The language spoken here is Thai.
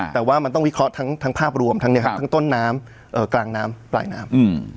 แต่ว่ามันต้องวิเคราะห์ทั้งภาพรวมทั้งต้นน้ำกลางน้ำปลายน้ำ